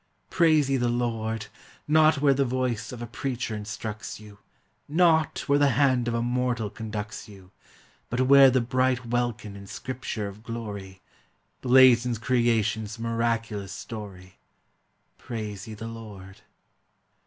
Praise ye the Lord! Not where the voice of a preacher instructs you, Not where the hand of a mortal conducts you, But where the bright welkin in scripture of glory Blazons creation's miraculous story. Praise ye the Lord!